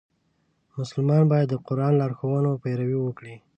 مسلمان باید د قرآن د لارښوونو پیروي وکړي.